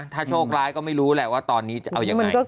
ถ้าโชคร้ายก็ไม่รู้แหละว่าตอนนี้จะเอายังไง